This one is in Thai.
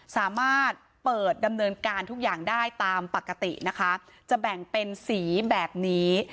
สามารถเปิดดำเนินการทุกอย่างได้ตามปกตินะคะจะแบ่งเป็นสีแบบนี้